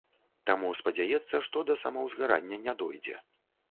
Таму спадзяецца, што да самаўзгарання не дойдзе.